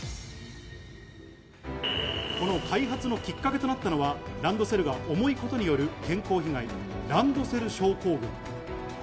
この開発のきっかけとなったのはランドセルが重いことによる健康被害、ランドセル症候群。